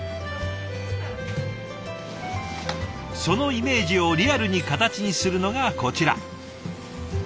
そのイメージをリアルに形にするのがこちら。